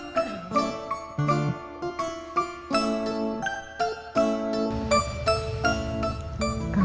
kasian deh lu